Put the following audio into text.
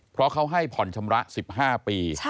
เพราะเขาให้ผ่อนชำระ๑๕ปี